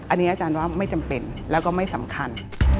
อันนี้อาจารย์ว่าไม่จำเป็นแล้วก็ไม่สำคัญ